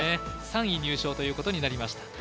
３位入賞となりました。